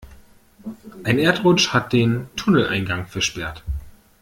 Ein Erdrutsch hat den Tunneleingang versperrt.